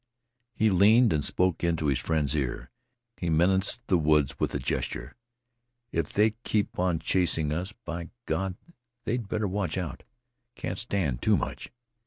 He leaned and spoke into his friend's ear. He menaced the woods with a gesture. "If they keep on chasing us, by Gawd, they'd better watch out. Can't stand TOO much."